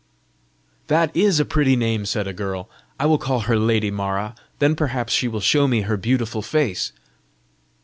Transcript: "That is a pretty name!" said a girl; "I will call her 'lady Mara'; then perhaps she will show me her beautiful face!"